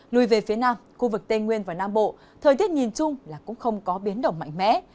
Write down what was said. lùi về phía nam khu vực tây nguyên và nam bộ thời tiết nhìn chung là cũng không có biến động mạnh mẽ